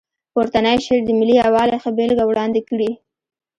پورتنی شعر د ملي یووالي ښه بېلګه وړاندې کړې.